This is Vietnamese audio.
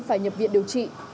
phải nhập viện điều trị